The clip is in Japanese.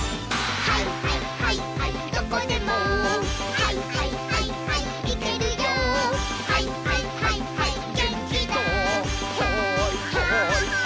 「はいはいはいはいマン」